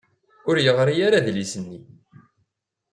Ur yeɣri ara adlis-nni.